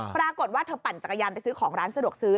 ปรากฏว่าเธอปั่นจักรยานไปซื้อของร้านสะดวกซื้อ